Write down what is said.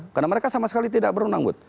karena mereka sama sekali tidak beronang bud